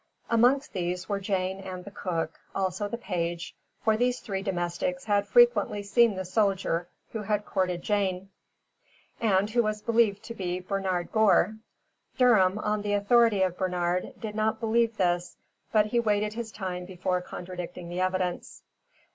Amongst these were Jane and the cook, also the page, for these three domestics had frequently seen the soldier who had courted Jane, and who was believed to be Bernard Gore. Durham, on the authority of Bernard, did not believe this, but he waited his time before contradicting the evidence.